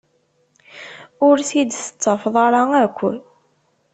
Ur t-id-tettafeḍ ara akk.